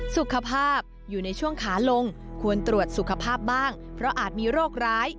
สุขภาพอยู่ในช่วงขาลงควรตรวจสุขภาพบ้างเพราะอาจมีโรคร้าย